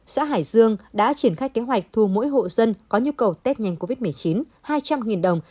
xã hải dương đã triển khai kế hoạch thu mỗi hộ dân có nhu cầu tết nhanh covid một mươi chín hai trăm linh đồng